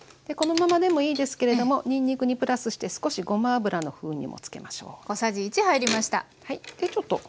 このままでもいいですけれどもにんにくにプラスして少しごま油の風味もつけましょう。